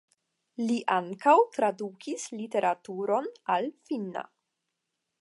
Li ankaŭ tradukis literaturon al finna.